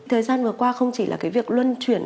thời gian vừa qua không chỉ là cái việc luân chuyển